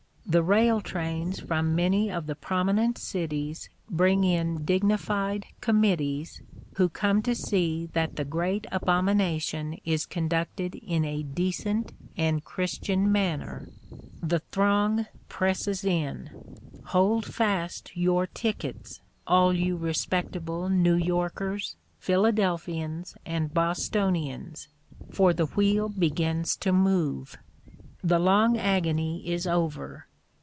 The rail trains from many of the prominent cities bring in dignified "Committees" who come to see that the great abomination is conducted in a decent and Christian manner. The throng presses in. Hold fast your tickets, all you respectable New Yorkers, Philadelphians, and Bostonians, for the wheel begins to move. The long agony is over.